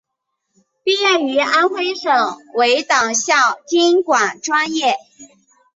毕业于安徽省委党校经管专业。